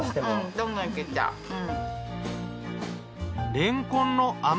どんどんいけちゃう。